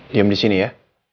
diam disini ya